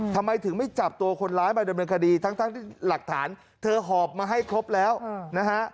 ทำไมถึงไม่จับตัวคนร้ายมาดำเนินคดีทั้งที่หลักฐานเธอหอบมาให้ครบแล้วนะฮะ